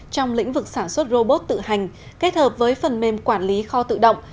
trong lĩnh vực sản xuất robot tự hành kết hợp với phần mềm quản lý kho tự động